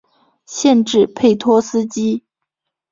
县治佩托斯基。